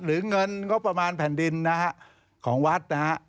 หรือเงินงบประมาณแผ่นดินของวัด